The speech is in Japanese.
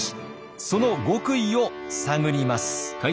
その極意を探ります。